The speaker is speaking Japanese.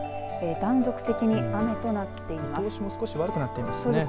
断続的に雨となっています。